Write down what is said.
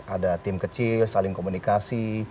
ada tim kecil saling komunikasi